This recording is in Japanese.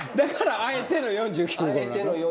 あえての４９号。